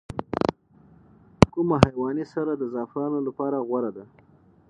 کوم حیواني سره د زعفرانو لپاره غوره ده؟